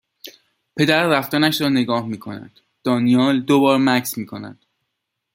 پدر رفتنش را نگاه میکند دانیال دو بار مکث میکند